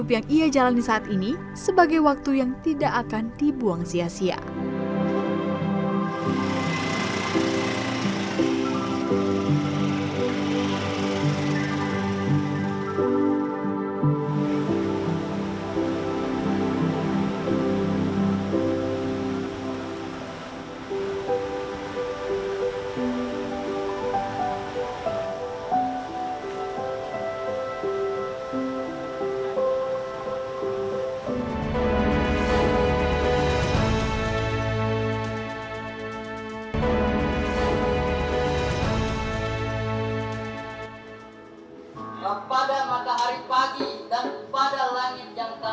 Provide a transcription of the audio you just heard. ya keitung sih dari nikah itu